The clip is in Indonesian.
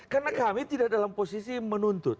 karena kami tidak dalam posisi menuntut